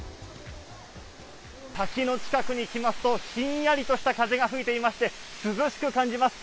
滝の近くに来ますと、ひんやりとした風が吹いていまして、涼しく感じます。